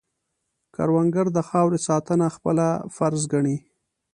کروندګر د خاورې ساتنه خپله فرض ګڼي